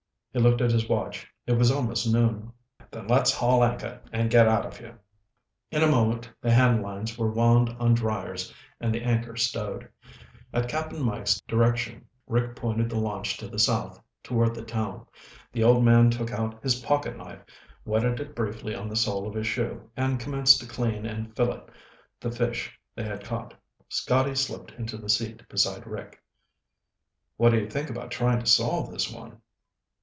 He looked at his watch. It was almost noon. "Then let's haul anchor and get out of here." In a moment the hand lines were wound on driers and the anchor stowed. At Cap'n Mike's direction, Rick pointed the launch to the south, toward the town. The old man took out his pocketknife, whetted it briefly on the sole of his shoe, and commenced to clean and fillet the fish they had caught. Scotty slipped into the seat beside Rick. "What do you think about trying to solve this one?"